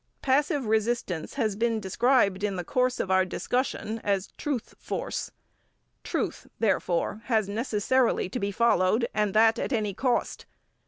Passive resistance has been described in the course of our discussion as truth force. Truth, therefore, has necessarily to be followed, and that at any cost.